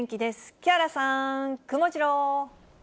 木原さん、くもジロー。